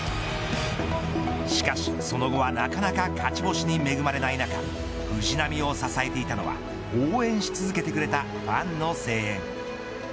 しかしその後はなかなか勝ち星に恵まれない中藤浪を支えていたのは応援し続けてくれたファンの声援。